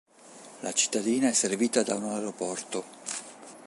La cittadina è servita da un aeroporto.